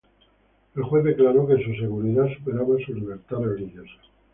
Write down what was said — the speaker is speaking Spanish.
El juez declaró que su seguridad superaba su libertad religiosa.